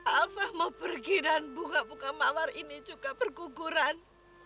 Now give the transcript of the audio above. apa mau pergi dan bunga bunga mawar ini juga berguguran